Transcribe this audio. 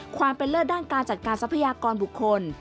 ความเป็นเลิศด้านการจัดการทรัพยากรบุคคล